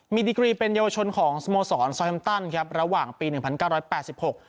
มีดิกรีเป็นเยาวชนของสโมสรซอยฮัมตันครับระหว่างปีหนึ่งพันเก้าร้อยแปดสิบหก